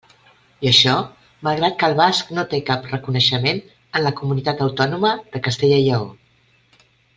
I això malgrat que el basc no té cap reconeixement en la comunitat autònoma de Castella i Lleó.